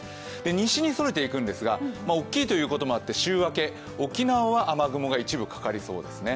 西にそれていくんですが、大きいということもあって週明け、沖縄は雨雲が一部かかりそうです。